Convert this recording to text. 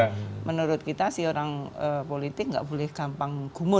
jadi menurut kita si orang politik nggak boleh gampang gumun